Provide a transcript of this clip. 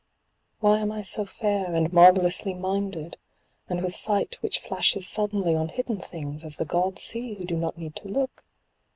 Why am I so fair, and marvellously minded, and with sight which flashes suddenly on hidden things, as the gods see who do not need to look?